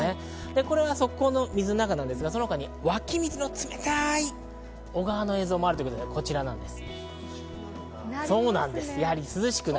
これは側溝の水の中ですが、その他に湧き水の冷たい小川の映像もあるということでこちらです。